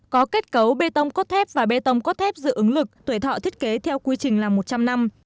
có kết cấu bê tông cốt thép và bê tông cốt thép dự ứng lực tuổi thọ thiết kế theo quy trình là một trăm linh năm